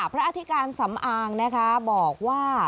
อธิการสำอางนะคะบอกว่า